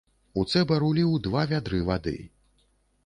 У цэбар уліў два вядры вады.